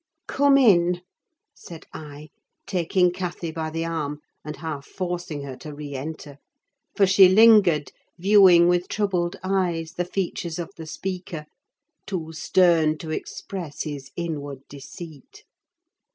"Come in," said I, taking Cathy by the arm and half forcing her to re enter; for she lingered, viewing with troubled eyes the features of the speaker, too stern to express his inward deceit.